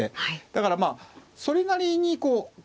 だからまあそれなりにこう。